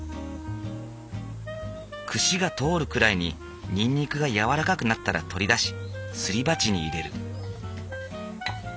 串が通るくらいににんにくが軟らかくなったら取り出しすり鉢に入れる。